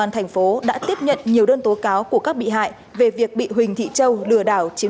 thành phố đã tiếp nhận nhiều đơn tố cáo của các bị hại về việc bị huỳnh thị châu lừa đảo chiếm